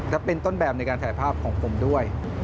และเป็นต้นแบบในการถ่ายภาพของผมด้วย